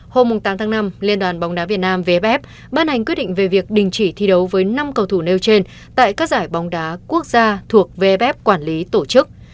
hôm tám tháng năm liên đoàn bóng đá việt nam vf ban hành quyết định về việc đình chỉ thi đấu với năm cầu thủ nêu trên tại các giải bóng đá quốc gia thuộc vf quản lý tổ chức